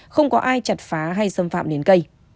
không có ai chặt phá hay xâm phạm đến cây